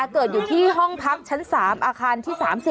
เกิดอยู่ที่ห้องพักชั้น๓อาคารที่๓๐